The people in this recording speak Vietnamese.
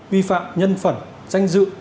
vi phạm nhân phẩm danh dự